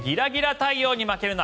太陽に負けるな！